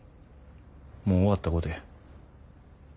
もう終わったことや。